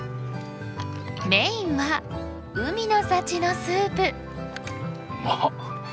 メインは海の幸のスープ。